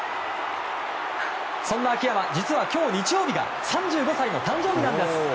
そんな秋山、実は今日、日曜日が３５歳の誕生日なんです。